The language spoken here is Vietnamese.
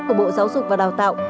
của bộ giáo dục và đào tạo